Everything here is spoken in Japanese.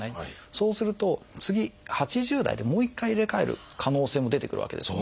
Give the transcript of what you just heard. そうすると次８０代でもう一回入れ替える可能性も出てくるわけですね。